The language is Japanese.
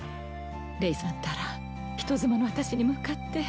レイさんったら人妻のあたしに向かって